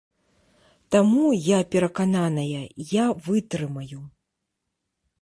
Таму, я перакананая, я вытрымаю.